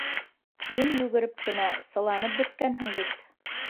Ин йүгереп кенә, сы ланып бөткәнһең бит